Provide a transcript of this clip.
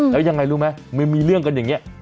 แล้วยังไงรู้ไหมมันมีเรื่องกันอย่างนี้